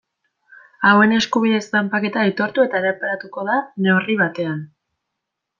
Hauen eskubide zanpaketa aitortu eta erreparatuko da neurri batean.